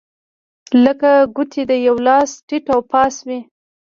لکه ګوتې د یوه لاس ټیت و پاس وې.